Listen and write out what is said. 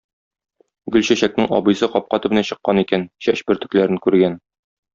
Гөлчәчәкнең абыйсы капка төбенә чыккан икән, чәч бөртекләрен күргән.